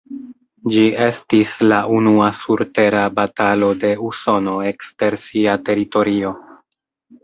Ĝi estis la unua surtera batalo de Usono ekster sia teritorio.